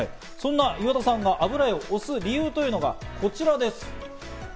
そんな岩田さんが油画を推す理由というのがこちらです。